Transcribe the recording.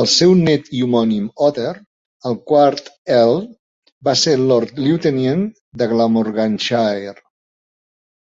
El seu net i homònim, Other, el quart Earl, va ser lord-lieutenant de Glamorganshire.